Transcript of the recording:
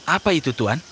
apa itu tuan